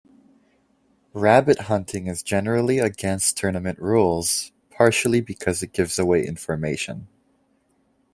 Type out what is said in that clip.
Rabbit hunting is generally against tournament rules, partially because it gives away information.